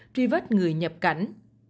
tri vết người nhập cảnh